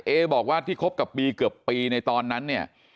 เอบอกว่าที่คบกับบีเกือบปีในตอนนั้นเนี่ย